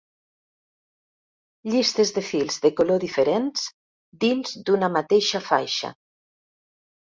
Llistes de fils de color diferents dins una mateixa faixa.